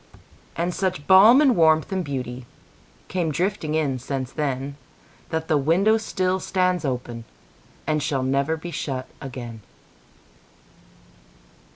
And such balm and warmth and beautyCame drifting in since then, That the window still stands openAnd shall never be shut again.